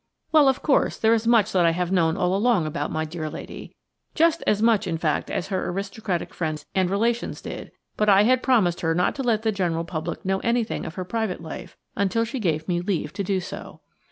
Well, of course, there is much that I have known all along about my dear lady–just as much, in fact, as her aristocratic friends and relations did–but I had promised her not to let the general public know anything of her private life until she gave me leave to do so.